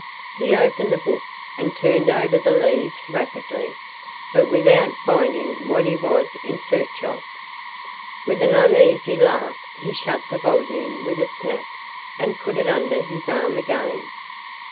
He opened the book, and turned over the leaves rapidly, but without finding what he was in search of. With an uneasy laugh he shut the volume with a snap, and put it under his arm again.